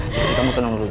jessica mau tenang dulu